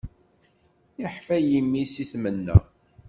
Iḥfa yimi, si tmenna.